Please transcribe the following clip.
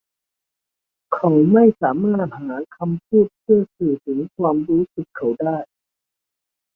เขาไม่สามารถหาคำพูดเพื่อสื่อถึงความรู้สึกเขาได้